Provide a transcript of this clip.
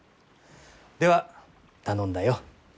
では頼んだよ。